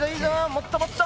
もっともっと！